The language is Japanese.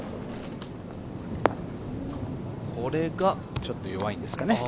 ちょっと弱いんですかね。